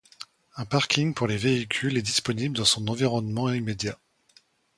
Un parking pour les véhicules est disponible dans son environnement immédiat.